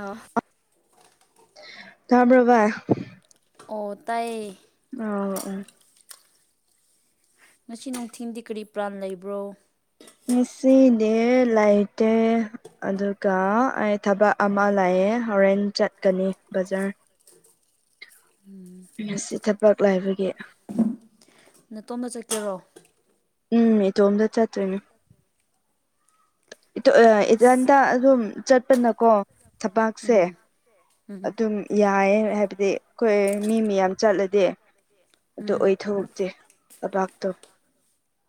ꯑ ꯇꯥꯕ꯭ꯔ‌ꯣ ꯚꯥꯏ ꯑꯣ ꯇꯥꯏ ꯑ ꯑ ꯉꯁꯤ ꯅꯨꯡꯊꯤꯡꯗꯤ ꯀꯔꯤ ꯄ꯭ꯔꯥꯟ ꯂꯩꯕ꯭ꯔꯣ ꯉꯁꯤꯗꯤ ꯂꯩꯇꯦ ꯑꯗꯨꯒ ꯑꯩ ꯊꯕꯛ ꯑꯃ ꯂꯩ ꯑꯦ ꯍꯣꯔꯦꯟ ꯆꯠꯀꯅꯤ ꯕꯖꯥꯔ ꯅꯁꯤ ꯊꯕꯛ ꯂꯥꯏꯕꯒꯤ ꯅꯇꯣꯗ ꯆꯠꯀꯦꯔꯣ ꯎꯝ ꯏꯇꯣꯝꯗ ꯆꯠꯇ‌ꯣꯏꯅꯦ ꯏꯇꯣ ꯑꯁ ꯏꯊꯟꯇ ꯑꯗꯨꯝ ꯆꯠꯄꯅꯀꯣ ꯊꯕꯥꯛꯁꯦ ꯎꯝ ꯎꯝ ꯑꯗꯨꯝ ꯌꯥꯏ ꯍꯥꯏꯕꯗꯤ ꯑꯩꯈꯣꯏ ꯃꯤ ꯃꯌꯥꯝ ꯆꯠꯂꯗꯤ ꯑꯗꯨ ꯎꯝ ꯑꯣꯏꯊ‌ꯣꯛꯇꯦ ꯇꯕꯥꯛꯇꯣ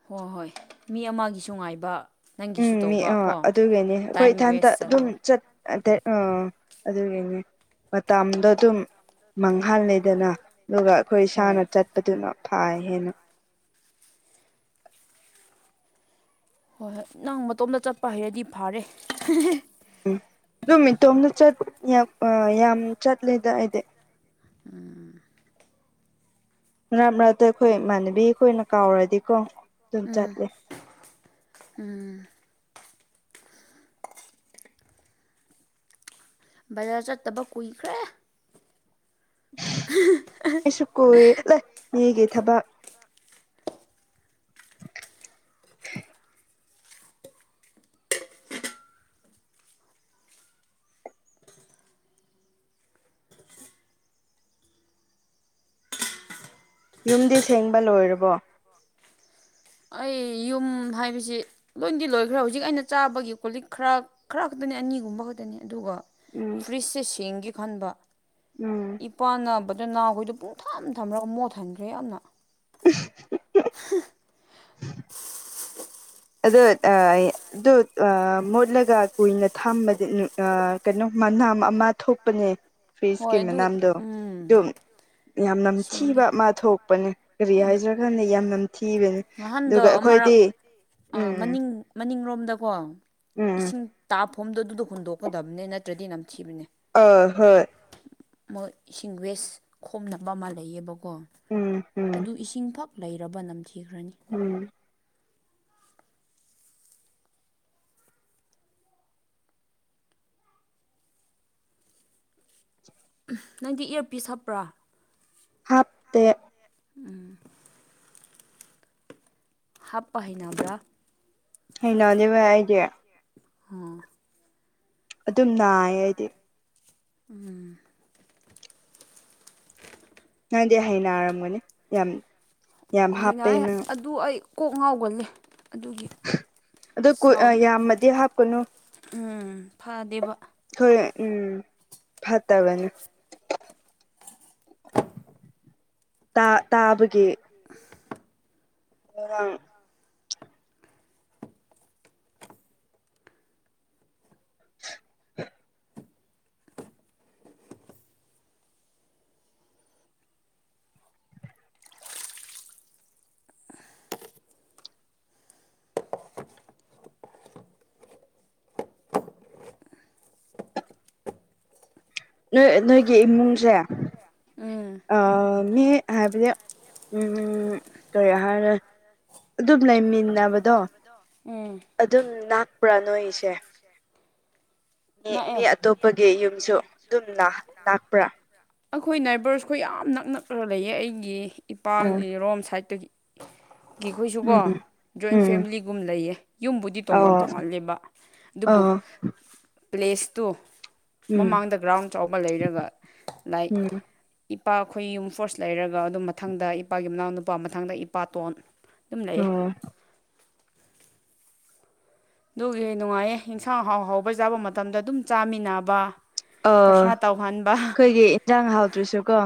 ꯍꯣ ꯍꯣꯏ ꯃꯤ ꯑꯃꯒꯤꯁꯨ ꯉꯥꯏꯕ ꯎꯝ ꯅꯪꯒꯤꯁꯨ ꯃꯤ ꯇꯧꯕ ꯑꯥ ꯀꯣ ꯑꯗꯨꯒꯤꯅꯤ ꯑꯩꯈꯣꯏ ꯇꯥꯏꯝ ꯏꯊꯟꯇ ꯋꯦꯁ ꯑꯗꯨꯝ ꯆꯠꯂꯣꯏ ꯆꯠ ꯑꯟꯇꯦ ꯑ ꯑꯗꯨꯒꯤꯅꯦ ꯃꯇꯥꯝꯗꯣ ꯑꯗꯨꯝ ꯃꯥꯡꯍꯜꯂꯦꯗꯅ ꯑꯗꯨꯒ ꯑꯈꯣꯏ ꯍꯣꯏ ꯏꯁꯥꯅ ꯆꯠꯄꯗꯨꯅ ꯐꯥꯏ ꯍꯦꯟꯅ ꯍꯣꯏ ꯍꯣꯏ ꯅꯪ ꯃꯇꯣꯝꯇ ꯆꯠꯄ ꯍꯩꯔꯗꯤ ꯐꯔꯦ [unintelligible] ꯎꯝ ꯑꯗꯨꯝ ꯏꯇꯣꯝꯗ ꯌꯥꯝ ꯆꯠꯂꯦꯗ ꯑꯩꯗꯤ ꯎꯝ ꯃꯔꯛ ꯃꯔꯛꯇ ꯑꯩꯈꯣꯏ ꯏꯃꯥꯟꯅꯕꯤ ꯈ‌ꯣꯏꯅ ꯀꯥꯎꯔꯗꯤꯀꯣ ꯑꯗꯨꯝ ꯆꯠꯂꯦ ꯎꯝ ꯕꯖꯥꯔ ꯆꯠꯇꯕ ꯀꯨꯏꯈ꯭ꯔꯦ ꯀꯁꯨ ꯀꯋꯦ ꯌꯦꯒꯤꯦ ꯊꯕ [unintelligible] [inaudible] ꯌꯨꯝꯗꯤ ꯁꯦꯡꯕ ꯂꯣꯏꯔꯕꯣ ꯑꯩ ꯍꯥꯏꯕꯁꯤ ꯂꯣꯏꯗꯤ ꯂꯣꯏꯈ꯭ꯔꯦ ꯍꯧꯖꯤꯛ ꯑꯩꯅ ꯆꯥꯕꯒꯤ ꯀꯣꯂꯤꯛ ꯈꯔ ꯈꯔ ꯈꯛꯇꯅꯤ ꯑꯅꯤꯒꯨꯝꯕ ꯈꯛꯇꯅꯤ ꯑꯗꯨꯒ ꯎꯝ ꯐ꯭ꯔꯤꯖꯁꯦ ꯁꯦꯡꯒꯦ ꯈꯟꯕ ꯎꯝ ꯏꯄꯥꯅ ꯕꯗꯅ ꯍ‌ꯣꯏꯗꯨ ꯄꯨꯡ ꯊꯝ ꯊꯝꯔꯒ ꯃꯣꯠ ꯊꯟꯈ꯭ꯔꯦ ꯌꯥꯝꯅ [unintelligible] [inaudible] [unintelligible] [inaudible] ꯑꯣ ꯑꯗꯨ ꯃꯣꯠꯂꯒ ꯀꯨꯏꯅ ꯊꯝꯕꯗꯤ ꯀꯩꯅꯣ ꯃꯅꯥꯝ ꯑꯃ ꯊꯣꯛꯄꯅꯦ ꯐ꯭ꯔꯤ ꯏꯁꯀꯤꯝ ꯍꯣꯏ ꯑꯗꯨ ꯃꯅꯥꯝꯗꯣ ꯎꯝ ꯑꯗꯨꯝ ꯌꯥꯝ ꯅꯝꯊꯤꯕ ꯁꯦꯡꯒꯦ ꯑꯃ ꯊꯣꯛꯄꯅꯦ ꯀꯔꯤ ꯍꯥꯏꯖ꯭ꯔꯀꯥꯟꯗ ꯌꯥꯝ ꯅꯝꯊꯤꯕꯅꯤ ꯑꯗꯨꯒ ꯅꯍꯥꯟꯗꯣ ꯑꯩꯈꯣꯏ ꯑꯃꯔꯛ ꯍꯣꯏꯗꯤ ꯃꯅꯤꯡ ꯃꯅꯤꯡꯂꯣꯝꯗꯀꯣ ꯎꯝ ꯎꯝ ꯏꯁꯤꯡ ꯇꯥꯞ ꯐꯣꯝꯗꯣ ꯑꯗꯨꯗ ꯍꯨꯟꯗꯣꯛꯀꯗꯕꯅꯦ ꯅꯠꯇ꯭ꯔꯗꯤ ꯌꯥꯝꯝ ꯊꯤꯕꯅꯦ ꯑ ꯍꯣꯏ ꯃꯣꯏ ꯏꯁꯤꯡ ꯋꯦꯁ ꯈꯣꯝꯅꯕ ꯑꯃ ꯂꯩꯌꯦꯕꯀꯣ ꯎꯝ ꯎꯝ ꯑꯗꯨ ꯏꯁꯤꯡ ꯐꯛ ꯂꯩꯔꯕ ꯅꯝꯊꯤꯈ꯭ꯔꯅꯤ ꯎꯝ ꯅꯪꯗꯤ ꯏꯌꯔꯄꯤꯤꯁ ꯍꯥꯞꯄ꯭ꯔꯥ ꯍꯥꯞꯇꯦ ꯎꯝ ꯍꯥꯞꯄ ꯍꯩꯅꯕ꯭ꯔꯥ ꯍꯩꯅꯅꯦꯕ ꯍꯥꯏꯒꯦ ꯑ [unintelligible] [inaudible] ꯑꯗꯨꯝ ꯅꯥꯏꯌꯦ ꯍꯥꯏꯗꯤ ꯎꯝ ꯅꯪꯗꯤ ꯍꯩꯅꯔꯝꯒꯅꯤ ꯌꯥꯝ ꯌꯥꯝ ꯍꯥꯞꯄꯦ ꯍꯅꯥꯏ ꯅꯪ ꯑꯗꯨ ꯑꯩ ꯀꯣꯛ ꯉꯥꯎꯒꯅꯤ ꯑꯗꯣ ꯌꯥꯝꯃꯗꯤ ꯍꯥꯞꯀꯅꯨ ꯎꯝ ꯐꯗꯦꯕ ꯊꯣꯏ ꯎꯝ ꯐꯠꯇꯕꯅꯤ ꯇꯥ ꯇꯥꯕꯒꯦ ꯔ [unintelligible] [inaudible] [unintelligible] [inaudible] [unintelligible] [inaudible] ꯅꯣꯏ ꯅꯣꯏꯒꯤ ꯏꯃꯨꯡꯁꯦ ꯎꯝ ꯑ ꯃꯤ ꯍꯥꯏꯕꯗꯤ ꯎꯝ ꯀꯩ ꯍꯥꯏꯔꯦ ꯑꯗꯨꯝ ꯂꯩꯃꯤꯟꯅꯕꯗꯣ ꯎꯝ ꯑꯗꯨꯝ ꯅꯥꯛꯄ꯭ꯔꯥ ꯅꯣꯏꯁꯦ ꯃꯤ ꯃꯤ ꯅꯛꯑꯦ ꯑꯇꯣꯞꯄꯒꯤ ꯌꯨꯝꯁꯨ ꯑꯗꯨꯝ ꯅꯥꯛꯄ꯭ꯔꯥ ꯑꯩꯈꯣꯏ ꯅꯥꯏꯕꯔꯁꯈꯣꯏ ꯌꯥꯝ ꯅꯛꯅꯛꯅ ꯂꯩꯌꯦ ꯑꯩꯒꯤ ꯎꯝ ꯏꯄꯥꯒꯤ ꯔꯣꯝ ꯁꯥꯏꯠꯇꯒꯤ ꯑꯩꯈꯣꯏꯁꯨꯀꯣ ꯎꯝ ꯖꯣꯏꯟ ꯎꯝ ꯐꯦꯃꯤꯂꯤꯒꯨꯝ ꯂꯩꯌꯦ ꯌꯨꯝꯕꯨꯗꯤ ꯇꯣꯉꯥꯟ ꯑꯣ ꯇꯣꯉꯥꯂꯦꯕ ꯑꯗꯨꯕꯨ [unintelligible] [inaudible] ꯄ꯭ꯂꯦꯁꯇꯨ ꯎꯝ ꯃꯃꯥꯡꯗ ꯒ꯭ꯔꯥꯎꯟ ꯆꯥꯎꯕ ꯂꯩꯔꯒ ꯂꯥꯏꯛ ꯎꯝ ꯏꯄꯥ ꯑꯩꯈꯣꯏ ꯌꯨꯝ ꯐꯣꯔꯁ ꯂꯩꯔꯒ ꯑꯗꯨꯝ ꯃꯊꯪꯗ ꯏꯄꯥꯒꯤ ꯃꯅꯥꯎ ꯅꯨꯄꯥ ꯃꯊꯪꯗ ꯏꯄꯥꯇꯣꯟ ꯂꯝ ꯂꯩꯏ ꯑꯣ ꯑꯗꯨꯒꯤ ꯅꯨꯡꯉꯥꯏꯌꯦ ꯌꯦꯟꯁꯥꯡ ꯍꯥꯎ ꯍꯥꯎꯕ ꯆꯥꯕ ꯃꯇꯝꯗ ꯑꯗꯨꯝ ꯆꯥꯃꯤꯟꯅꯕ ꯑꯣ ꯄ꯭ꯔꯁꯥ ꯇꯧꯍꯅꯤ ꯑꯩꯈꯣꯏꯒꯤ ꯌꯦꯟꯖꯥꯡ ꯍꯥꯎꯗ꯭ꯔꯁꯨ ꯀꯣ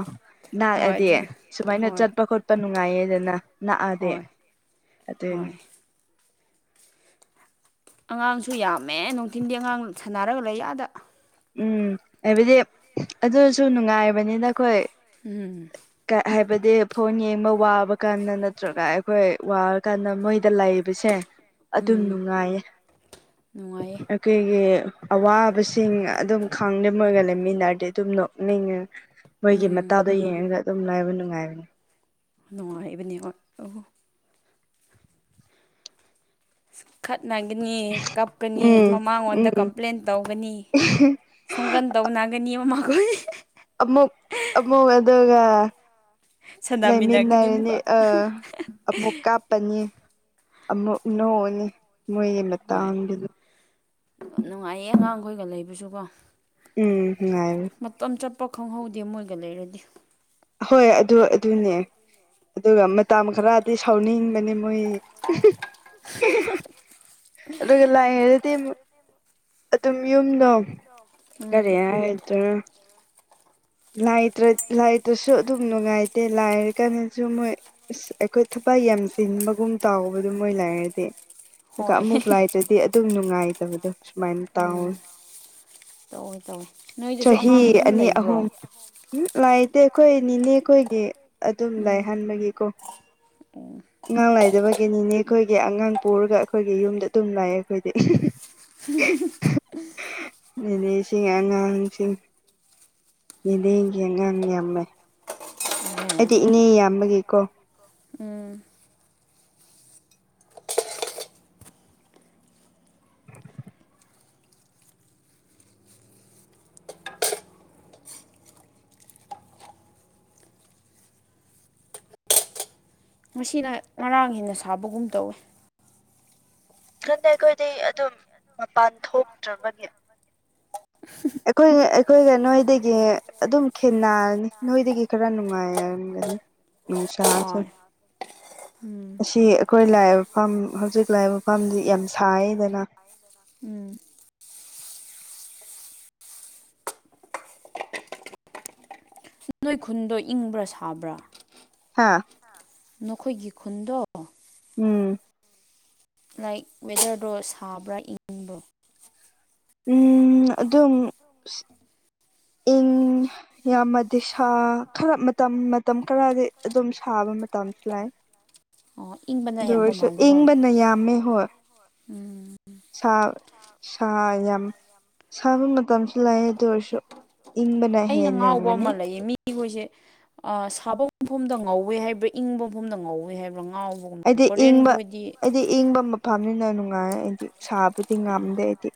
ꯍꯣꯏ ꯅꯥꯛꯑꯗꯤ ꯑꯗꯨꯗ ꯁꯨꯃꯥꯏꯅ ꯍꯣꯏ ꯆꯠꯄ ꯈꯣꯠꯄ ꯅꯨꯡꯉꯥꯏꯌꯦꯗꯅ ꯅꯥꯛꯑꯗꯤ ꯍꯣꯏ ꯑꯗꯨꯅꯤ ꯍꯣꯏ ꯑꯉꯥꯡꯁꯨ ꯌꯥꯝꯃꯦ ꯅꯨꯡꯊꯤꯟꯗꯤ ꯑꯉꯥꯡ ꯁꯥꯟꯅꯔꯒ ꯂꯩꯌꯥꯗ ꯎꯝ ꯍꯥꯏꯕꯗꯤ ꯑꯗꯨꯁꯨ ꯅꯨꯡꯉꯥꯏꯔꯕꯅꯤꯅ ꯑꯩꯈꯣꯏ ꯎꯝ [inaudible] ꯍꯥꯏꯕꯗꯤ ꯐꯣꯟ ꯌꯦꯡꯕ ꯋꯥꯕ ꯀꯥꯟꯗ ꯅꯠꯇ꯭ꯔꯒ ꯑꯩꯈꯣꯏ ꯋꯥꯔ ꯀꯥꯟꯗ ꯃꯣꯏ ꯗ ꯂꯩꯕꯁꯦ ꯑꯗꯨꯝ ꯎꯝ ꯅꯨꯡꯉꯥꯏꯌꯦ ꯅꯨꯡꯉꯥꯏꯌꯦ ꯑꯩꯈꯣꯏꯒꯤ ꯑꯋꯥꯕꯁꯤꯡ ꯑꯗꯨꯝ ꯈꯥꯡꯗꯃꯒ ꯂꯩꯃꯤꯟꯅꯔꯗꯤ ꯑꯗꯨꯝ ꯅꯣꯛꯅꯤꯡ ꯃꯣꯏꯒꯤ ꯎꯝ ꯃꯇꯥꯗꯣ ꯌꯦꯡꯉꯒ ꯑꯗꯨꯝ ꯂꯥꯏꯕ ꯅꯨꯡꯉꯥꯏꯕꯅꯤ ꯅꯨꯡꯉꯥꯏꯔꯤꯕꯅꯦ ꯍ ꯑ ꯈꯠꯅꯒꯅꯤ ꯀꯞꯀꯅꯤ ꯎꯝ ꯃꯃꯥꯡꯉꯣꯟꯗ ꯎꯝ ꯀꯝꯄ꯭ꯂꯦꯟ ꯇꯧꯒꯅꯤ ꯁꯪꯒꯟ ꯇꯧꯅꯒꯅꯤ ꯃꯃꯥꯈꯣꯏ ꯑꯃ ꯑꯃ ꯑꯦꯗꯒ ꯁꯥꯟꯅꯃꯤꯟꯅꯒꯅꯤ ꯂꯩꯃꯤꯟꯅꯔꯅꯤ ꯑꯃꯨꯛꯀ ꯑ ꯑꯃꯨꯛ ꯀꯥꯞꯄꯅꯤ ꯑꯃꯨꯛ ꯅꯣꯛꯅꯦ ꯃꯣꯏꯒꯤ ꯍꯣꯏ ꯃꯇꯥꯡꯗꯨꯗ ꯅꯨꯡꯉꯥꯏꯌꯦ ꯑꯉꯥꯡꯈꯣꯏꯒ ꯂꯩꯕꯁꯨꯀꯣ ꯎꯝ [inaudible] ꯄ ꯈꯪꯍꯧꯗꯦ ꯃꯣꯏꯒ ꯂꯩꯔꯗꯤ ꯍꯣꯏ ꯑꯗꯨ ꯑꯗꯨꯅꯦ ꯑꯗꯨꯒ ꯃꯇꯝ ꯈꯔꯗꯤ ꯁꯥꯎꯅꯤꯡꯕꯅꯤ ꯃꯣꯏ ꯑꯗꯨꯒ ꯂꯥꯏꯗꯤ ꯑꯗꯨꯝ ꯌꯨꯝꯗꯣ ꯀꯔꯤ ꯎꯝ ꯍꯥꯏꯗ꯭ꯔꯥ ꯉ ꯇ꯭ꯔ ꯇꯁꯨ ꯑꯗꯨꯝ ꯅꯨꯡꯉꯥꯏꯇꯦ ꯂꯥꯏꯔ ꯀꯥꯟꯗꯁꯨ ꯃꯣꯏ ꯑꯩꯈꯣꯏ ꯊꯕꯛ ꯌꯥꯝꯁꯤꯟꯕꯒꯨꯝ ꯇꯥꯎꯕꯗ ꯑꯗꯨ ꯃꯣꯏ ꯂꯥꯏꯔꯗꯤ ꯑꯗꯨꯒ ꯍꯣꯏ ꯑꯃꯨꯛ ꯂꯥꯏꯗ꯭ꯔꯗꯤ ꯑꯗꯨꯝ ꯅꯨꯡꯉꯥꯏꯇꯕꯗꯣ ꯁꯨꯃꯥꯏꯅ ꯎꯝ ꯇꯥꯎꯋꯤ ꯇꯧꯋꯦ ꯇꯧꯋꯦ ꯅꯣꯏꯗꯁꯨ ꯑꯉꯥꯡ ꯑꯗꯨꯝ ꯂꯩꯕ꯭ꯔꯣ ꯎꯝ ꯂꯥꯛꯇꯦ ꯑꯩꯈꯣꯏ ꯅꯤꯅꯦ ꯑꯩꯈꯣꯏꯒꯤ ꯑꯗꯨꯝ ꯂꯥꯛ ꯍꯥꯟꯕꯒꯤꯀꯣ ꯑꯣ [unintelligible] [inaudible] ꯑꯉꯥꯡ ꯂꯩꯏꯗꯕꯒꯤꯅꯤꯅꯦ ꯑꯩꯈꯣꯏꯒꯤ ꯑꯉꯥꯡ ꯄꯨꯔꯒ ꯑꯩꯈꯣꯏꯒꯤ ꯌꯨꯝꯗ ꯑꯗꯨꯝ ꯂꯥꯛꯑ ꯑꯩꯈꯣꯏꯗꯤ [unintelligible] [inaudible] ꯑꯁꯤꯁꯤꯡ ꯑꯉꯥꯡꯁꯤꯡ ꯅꯤꯅꯦꯒꯤ ꯑꯉꯥꯡ ꯌꯥꯝꯃꯦ ꯑꯗꯨ ꯏꯅꯦ ꯌꯥꯝꯕꯒꯤꯀꯣ ꯎꯝ ꯃꯁꯤꯅ ꯉꯔꯥꯡ ꯍꯦꯟꯅ ꯁꯥꯕꯒꯨꯝ ꯇꯧꯋꯤ ꯈꯟꯗ ꯑꯩꯈꯣꯏꯗꯤ ꯑꯗꯨꯝ ꯃꯄꯥꯟ ꯊꯣꯛꯇ꯭ꯔꯕꯒꯤ ꯑꯩꯈꯣꯏ ꯑꯩꯈꯣꯏꯒ ꯅꯣꯏꯗꯒꯤ ꯑꯗꯨꯝ ꯈꯦꯅꯔꯅꯤ ꯅꯣꯏꯗꯒꯤ ꯈꯔ ꯅꯨꯡꯉꯥꯏꯔꯅꯤ ꯎꯝꯁꯥꯁ ꯍꯣꯏ [inaudible] ꯎꯝ ꯑꯁꯤ ꯑꯩꯈꯣꯏ ꯂꯥꯛꯏꯕ ꯐꯐꯝ ꯍꯧꯖꯤꯛ ꯂꯥꯛꯏꯕ ꯃꯐꯝꯗꯤ ꯌꯥꯝ ꯁꯥꯏꯗꯅ ꯎꯝ [unintelligible] [inaudible] ꯁ ꯅꯣꯏ ꯈꯨꯟꯗꯣ ꯏꯪꯕ꯭ꯔꯥ ꯁꯥꯕ꯭ꯔꯥ ꯍꯥꯥ [unintelligible] [inaudible] ꯅꯈꯣꯏꯒꯤ ꯈꯨꯟꯗꯣ ꯎꯝ ꯂꯥꯏꯛ ꯋꯦꯗꯔꯗꯣ ꯁꯥꯕ꯭ꯔꯥ ꯏꯪꯕ꯭ꯔꯣ ꯎꯝ ꯑꯗꯨꯝ ꯏꯪ ꯌꯥꯝꯃꯗꯤ ꯁꯥ ꯈꯔ ꯃꯇꯝ ꯃꯇꯝ ꯈꯔꯗꯤ ꯑꯗꯨꯝ ꯁꯥ ꯊꯥꯕ ꯃꯇꯝꯁꯤ ꯂꯥꯏ ꯑꯣ ꯏꯪꯕꯅ ꯑꯗꯨ ꯌꯥꯝꯕ ꯑꯣꯏꯔꯁꯨ ꯃꯥꯜꯂꯦꯀꯣ ꯏꯪꯕꯅ ꯌꯥꯝꯃꯦ ꯍꯣꯏ ꯎꯝ ꯁ ꯁ ꯌꯥꯝꯝ ꯁ [inaudible] ꯇꯝꯁꯨꯂꯥꯏ ꯑꯗꯨ ꯑꯣꯏꯔꯁꯨꯣ ꯏꯪꯕꯅ ꯍꯦꯅꯤꯝꯒꯅꯤ ꯈꯣꯏꯁꯦ ꯑ ꯁꯥꯕ ꯃꯐꯝꯗ ꯉꯧꯋꯦ ꯍꯥꯏꯕ꯭ꯔꯥ ꯏꯪꯕ ꯃꯐꯝꯗ ꯉꯧꯋꯦ ꯍꯥꯏꯕ꯭ꯔꯥ ꯉꯥꯎꯕꯒꯨꯝ ꯑꯩꯗꯤ ꯀꯣꯔꯤꯌꯟ ꯏꯪꯕ ꯈꯣꯏꯗꯤ ꯑꯩꯗꯤ ꯏꯪꯕ ꯃꯐꯝꯅꯤꯅ ꯅꯨꯡꯉꯥꯏ ꯑꯩꯗꯤ ꯁꯥꯕꯨꯗꯤ ꯑꯦ ꯉꯝꯗꯦꯗꯤ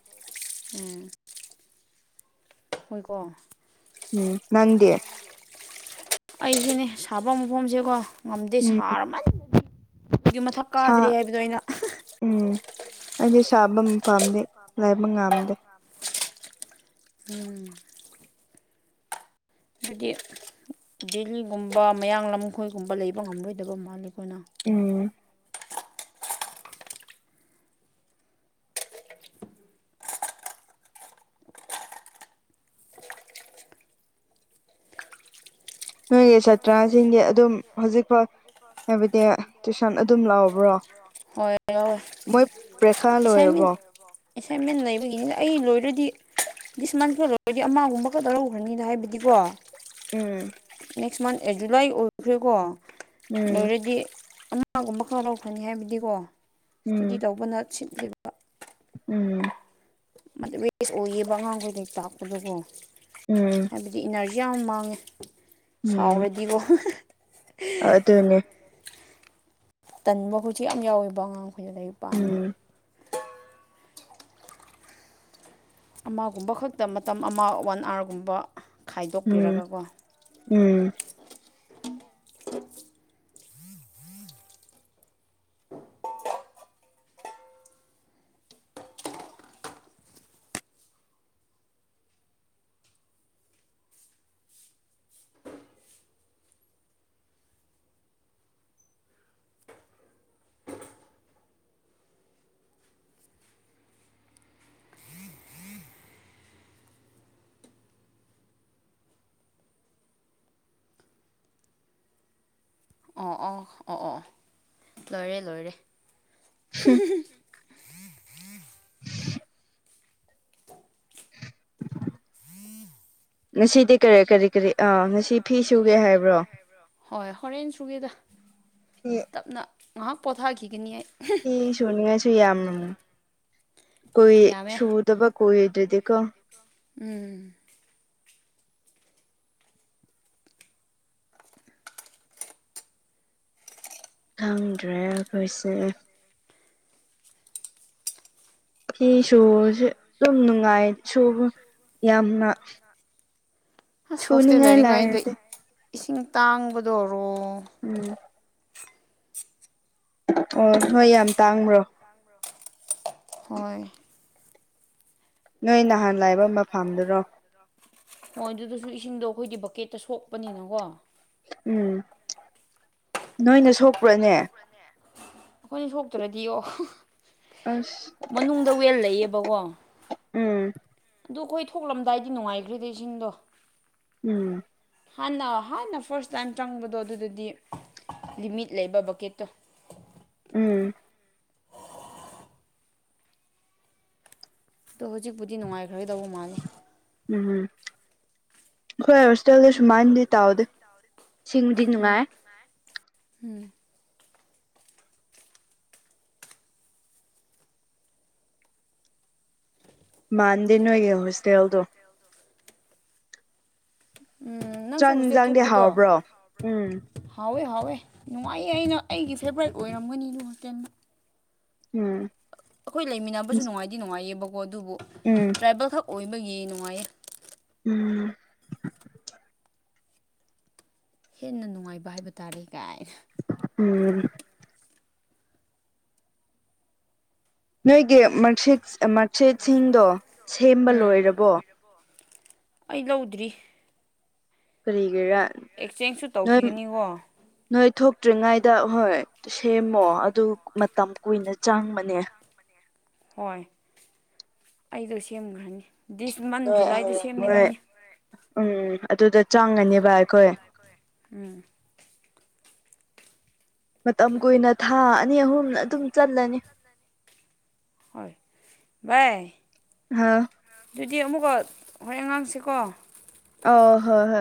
ꯎꯝ [inaudible] ꯍꯣꯏꯀꯣ ꯎꯝ ꯅꯗꯦ ꯑꯩꯁꯤꯅꯦ ꯁꯥꯐꯝ ꯃꯐꯝꯁꯦꯀꯣ ꯉꯝꯗꯦ ꯎꯝ ꯁꯥꯔꯃ ꯑꯗꯨꯒꯤ ꯃꯊꯛ ꯁꯥ ꯀꯥꯗ꯭ꯔꯦ ꯍꯥꯏꯕꯗꯣ ꯑꯩꯅ ꯎꯝ ꯑꯩꯗꯤ ꯁꯥꯕ ꯄꯥꯝꯗꯦ ꯂꯥꯏꯕ ꯉꯥꯝꯗꯦ ꯎꯝ ꯑꯗꯨꯗꯤ ꯗꯦꯜꯂꯤꯒꯨꯝꯕ ꯃꯌꯥꯡꯂ ꯂꯝꯈꯣꯏꯒꯨꯝꯕ ꯂꯩꯕ ꯉꯝꯂꯣꯏꯗꯕ ꯃꯥꯜꯜꯂꯤ ꯀꯅꯥ ꯎꯝ ꯅꯣꯏꯒꯤ ꯁꯥꯇ꯭ꯔꯁꯤꯡꯗꯤ ꯑꯗꯨꯝ ꯍꯧꯖꯤꯛ ꯐꯥꯎ ꯍꯥꯏꯕꯗꯤ ꯇꯨꯏꯁꯟ ꯑꯗꯨꯝ ꯂꯥꯛꯕ꯭ꯔꯣ ꯍꯣꯏ ꯌꯥꯎꯋꯦ ꯃꯣꯏ ꯄꯦꯈꯥ ꯑꯦꯁꯥꯏꯟꯃꯦꯟ ꯂꯣꯏꯔꯔꯕꯣ ꯑꯦꯁꯥꯏꯟꯃꯦꯟ ꯂꯩꯕꯒꯤꯅꯤꯅ ꯑꯩ ꯂꯣꯏꯔꯗꯤ ꯁꯨꯃꯥꯟ ꯐꯗꯔꯗꯤ ꯑꯃꯒꯨꯝꯕꯒ ꯇꯔꯈ꯭ꯔꯅꯤꯅ ꯍꯥꯏꯕꯗꯤꯀꯣ ꯎꯝ ꯅꯦꯛꯁ ꯃꯟ ꯖꯨꯂꯥꯏ ꯑꯣꯏꯈ꯭ꯔꯦꯀꯣ ꯎꯝ ꯂꯔꯗꯤ ꯑꯃꯒꯨꯝꯕ ꯈꯛ ꯂꯧꯀꯅꯤ ꯍꯥꯏꯕꯗꯤꯀꯣ ꯏꯁꯇꯗꯤ ꯎꯝ ꯇꯧꯕꯅ ꯁꯤꯠꯈꯤꯕ ꯎꯝ ꯋꯦꯁ ꯑꯣꯏꯌꯦꯕ ꯑꯉꯥꯡꯈꯩꯗꯒꯤꯩ ꯇꯥꯛꯄꯗꯨꯒꯣ ꯎꯝ ꯍꯥꯏꯕꯗꯤ ꯏꯟꯅꯔꯖꯤ ꯌꯥꯝ ꯃꯥꯡꯉꯦ ꯁꯥꯎꯔꯗꯤꯕꯣ ꯑꯗꯨ ꯑꯗꯨꯅꯦ ꯇꯟꯕ ꯍꯧꯖꯤꯛ ꯌꯥꯝ ꯌꯥꯎꯋꯦꯕ ꯑꯉꯥꯡꯈꯣꯏꯗ ꯂꯔꯤꯛ ꯄꯥꯝꯉꯥꯏ ꯎꯝ ꯑꯃꯒꯨꯝꯕ ꯈꯛꯇ ꯃꯇꯝ ꯑꯃ ꯋꯥꯟ ꯑꯥꯔꯒꯨꯝꯕ ꯎꯝ ꯈꯥꯏꯗꯣꯛꯄꯤꯔꯒꯀꯣ ꯎꯝ ꯑꯣ ꯑꯣ ꯑꯣ ꯑꯣ ꯂꯣꯏꯔꯦ ꯂꯣꯏꯔꯦ [inaudible] ꯉꯁꯤꯗꯤ ꯀꯔꯤ ꯀꯔꯤ ꯀꯔꯤ ꯑꯥ ꯉꯁꯤ ꯐꯤ ꯁꯨꯒꯦ ꯍꯥꯏꯕ꯭ꯔꯣ ꯍꯣꯏ ꯍꯣꯔꯦꯟ ꯁꯨꯒꯦꯗ ꯇꯞꯅ ꯉꯥꯏꯍꯥꯛ ꯄꯣꯊꯥꯈꯤꯒꯅꯤ ꯑꯩ ꯍꯁꯨꯅꯤꯁꯨꯏ ꯌꯥꯝ ꯀꯣꯏ ꯌꯥꯝꯃꯦ ꯁꯨꯗꯕ ꯀꯣꯏ ꯑꯣꯗꯔꯗꯀꯣ ꯎꯝ ꯈꯪꯗ꯭ꯔꯦ ꯑꯩꯈꯣꯏꯁꯦ ꯁꯤ ꯁꯣꯁꯦ ꯑꯗꯨꯝ ꯅꯨꯡꯉꯥꯏ ꯁꯣ ꯌꯥꯝꯅ ꯑꯁ ꯍꯣꯁꯇꯦꯜ ꯁꯨꯅꯤꯡꯉꯥꯏ ꯂꯩꯔꯤꯉꯩꯗ ꯂꯩꯔꯗꯤ ꯏꯁꯤꯡ ꯇꯥꯡꯕꯗꯣ ꯎꯝ ꯑꯣ ꯍꯣꯏ ꯌꯥꯝ ꯇꯥꯡꯕ꯭ꯔꯣ ꯍꯣꯏ ꯅꯣꯏ ꯅꯍꯥꯟ ꯂꯥꯏꯕ ꯃ ꯐꯥꯝꯗꯨꯔꯣ ꯍꯣꯏ ꯑꯗꯨꯗꯁꯨ ꯏꯁꯤꯡꯗꯣ ꯑꯩꯈꯣꯏꯗꯤ ꯕꯛꯀꯦꯠꯇ ꯁꯣꯛꯄꯅꯤꯅꯀꯣ ꯎꯝ ꯅꯣꯏꯅ ꯁꯣꯛꯄ꯭ꯔꯅꯦ ꯑꯩꯈꯣꯏꯅ ꯁꯣꯛꯇ꯭ꯔꯗꯤ ꯑꯣ ꯑꯁ ꯃꯅꯨꯡꯗ ꯋꯦꯜ ꯂꯩꯌꯦꯕꯀꯣ ꯎꯝ ꯑꯗꯨ ꯑꯩꯈꯣꯏ ꯊꯣꯛꯂꯝꯗꯥꯏꯗꯤ ꯅꯨꯡꯉꯥꯏꯈ꯭ꯔꯤꯗ ꯏꯁꯤꯡꯗꯣ ꯎꯝ ꯍꯥꯟꯅ ꯍꯥꯟꯅ ꯐꯥꯔꯁ ꯇꯥꯏꯝ ꯆꯪꯕꯗꯣ ꯑꯗꯨꯗꯗꯤ ꯂꯤꯃꯤꯠ ꯂꯩꯕ ꯕꯛꯀꯦꯠꯇꯣ ꯎꯝ ꯑꯗꯣ ꯍꯧꯖꯤꯛꯄꯨꯗꯤ ꯅꯨꯡꯉꯥꯏꯈ꯭ꯔꯒꯗꯧꯕ ꯃꯥꯜꯂꯤ ꯎꯝꯝ ꯈꯣꯢ ꯍꯣꯁꯇꯦꯜꯗ ꯁꯨꯃꯥꯏꯅꯗꯤ ꯇꯥꯎꯗꯦ ꯁꯤꯡꯕꯨꯗꯤ ꯅꯨꯡꯉꯥꯏ ꯎꯝ ꯃꯥꯟꯗꯦ ꯅꯣꯏꯒꯤ ꯍꯣꯁꯇꯦꯜꯗ ꯎꯝ ꯅꯪꯁꯨ ꯆꯥꯛ ꯍꯣꯁꯇꯦꯜ ꯌꯦꯟꯁꯥꯡꯗꯤ ꯊꯣꯛꯄꯗꯣ ꯍꯥꯎꯕ꯭ꯔꯣ ꯎꯝ ꯍꯥꯎꯋꯦ ꯍꯥꯎꯋꯦ ꯅꯨꯡꯉꯥꯏꯌꯦ ꯑꯩꯅ ꯑꯩꯒꯤ ꯐꯦꯕ꯭ꯔꯥꯏꯠ ꯑꯣꯏꯔꯝꯒꯅꯤ ꯑꯗꯨ ꯍꯣꯇꯦꯜꯅ ꯎꯝ ꯑꯩꯈꯣꯏ ꯂꯩꯃꯤꯟꯅꯕꯁꯨ ꯅꯨꯡꯉꯥꯏꯗꯤ ꯅꯨꯡꯉꯥꯏꯌꯦꯕꯀꯣ ꯑꯗꯨꯕꯨ ꯎꯝ ꯇ꯭ꯔꯥꯏꯕꯦꯜ ꯈꯛ ꯑꯣꯏꯕꯒꯤ ꯅꯨꯡꯉꯥꯏꯌꯦ ꯎꯝ ꯍꯦꯟꯅ ꯅꯨꯡꯉꯥꯏꯕ ꯍꯥꯏꯕ ꯇꯥꯔꯦ ꯀꯥꯏꯅ ꯎꯝ ꯅꯣꯏꯒꯤ ꯃꯥꯔꯁꯤꯛ ꯃꯥꯔꯛꯁꯤꯠꯁꯤꯡꯗꯣ ꯁꯦꯝꯕ ꯎꯝ ꯂꯣꯏꯔꯕꯣ ꯑꯩ ꯂꯧꯗ꯭ꯔꯤ ꯀꯔꯤꯒꯤꯔꯥ ꯑꯦꯛꯆꯦꯟꯁꯁꯨ ꯅꯣꯏ ꯇꯧꯈꯤꯒꯅꯤꯀꯣ ꯅꯣꯏ ꯊꯣꯛ ꯇ꯭ꯔꯤꯉꯥꯏꯗ ꯍꯣꯏ ꯁꯦꯝꯃꯣ ꯑꯗꯨ ꯃꯇꯝ ꯀꯨꯏꯅ ꯆꯪꯕꯅꯦ ꯍꯣꯏ ꯑꯩꯗꯣ ꯁꯦꯝꯒ꯭ꯔꯅꯤ ꯗꯤꯁ ꯃꯟ ꯅꯣꯏ ꯖꯨꯂꯥꯏꯗ ꯍꯌꯦꯡ ꯅꯣꯏ ꯁꯦꯝꯅꯤꯉꯥꯏꯅꯤ ꯎꯝ ꯑꯗꯨꯗ ꯆꯪꯉꯅꯤꯕ ꯑꯩꯈꯣꯏ ꯎꯝ ꯃꯇꯝ ꯀꯨꯏꯅ ꯊꯥ ꯑꯅꯤ ꯑꯍꯨꯝꯅ ꯑꯗꯨꯝ ꯆꯠꯂꯅꯤ ꯍꯣꯏ ꯚꯥꯏ ꯍꯥꯎ ꯑꯗꯨꯗꯤ ꯑꯃꯨꯛꯀ ꯍꯣꯔꯦꯟ ꯉꯥꯡꯁꯤꯀꯣ ꯑꯣ ꯍꯣꯏ ꯍꯣꯏ